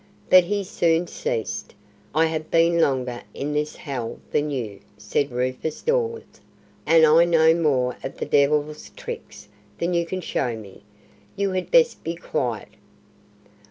But he soon ceased. "I have been longer in this hell than you," said Rufus Dawes, "and I know more of the devil's tricks than you can show me. You had best be quiet."